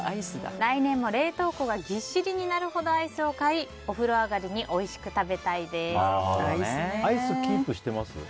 来年も冷凍庫がぎっしりになるぐらいのアイスを買い、お風呂上がりにアイスキープしてます？